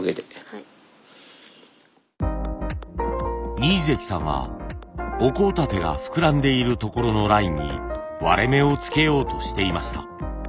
二位関さんはお香立てが膨らんでいるところのラインに割れ目を付けようとしていました。